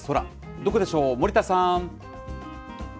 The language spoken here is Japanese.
どこでしょう、森田さん。